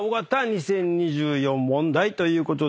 ２０２４年問題ということで。